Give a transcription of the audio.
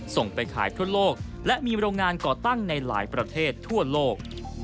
ส่งไปขายทั่วโลกและมีโรงงานก่อตั้งในหลายประเทศทั่วโลก